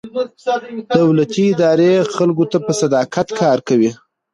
دولتي ادارې خلکو ته په صداقت کار کوي.